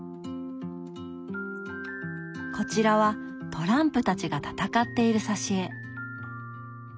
こちらはトランプたちが戦っている挿絵。